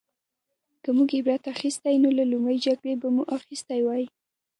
که موږ عبرت اخیستلی نو له لومړۍ جګړې به مو اخیستی وای